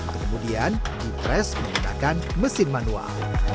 kemudian dipres menggunakan mesin manual